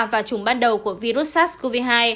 và chủng ban đầu của virus sars cov hai